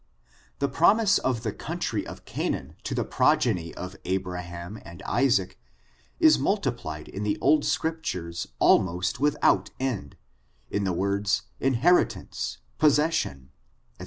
The promise of the country of Canaan to the prog eny of Abraham by Isaac, is multiplied in the old Scriptures almost without end, in the words inherit* i ance^ possession, &c.